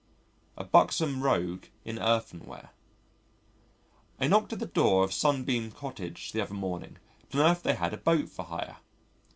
A Buxom Rogue in Earthenware I knocked at the door of Sunbeam Cottage the other morning to know if they had a boat for hire.